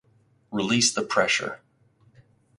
Release the pressure.